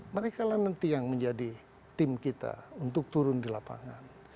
mereka lah nanti yang menjadi tim kita untuk turun di lapangan